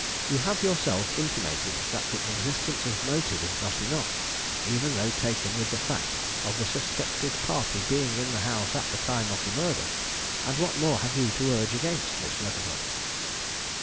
You have yourself intimated that the existence of motive is not enough, even though taken with the fact of the suspected party being in the house at the time of the murder; and what more have you to urge against Miss Leavenworth?"